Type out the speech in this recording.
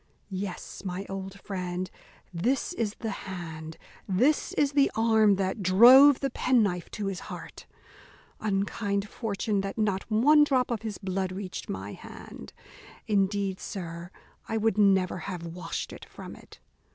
Yes, my old friend, this is the hand, this is the arm that drove the penknife to his heart. Unkind fortune, that not one drop of his blood reached my hand. Indeed, sir, I would never have washed it from it.